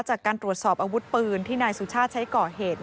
จากการตรวจสอบอาวุธปืนที่นายสุชาติใช้ก่อเหตุ